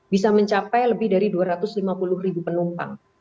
bisa mencapai lebih dari dua ratus lima puluh ribu penumpang